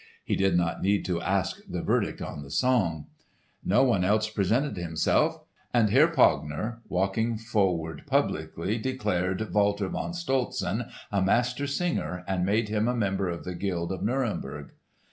(He did not need to ask the verdict on the song.) No one else presented himself; and Herr Pogner walking forward publicly declared Walter von Stolzen a Master Singer and made him a member of the guild of Nuremberg.